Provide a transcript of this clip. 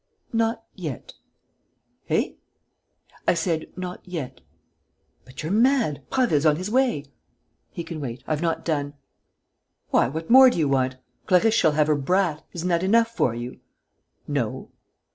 "Not yet." "Eh?" "I said, not yet." "But you're mad! Prasville's on his way!" "He can wait. I've not done." "Why, what more do you want? Clarisse shall have her brat. Isn't that enough for you?" "No."